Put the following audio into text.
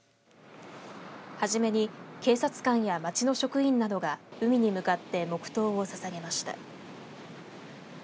初めに警察官や町の職員などが海に向かって黙とうをささげました。